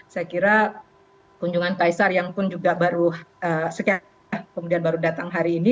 saya kira kunjungan kaisar yang pun juga baru sekian kemudian baru datang hari ini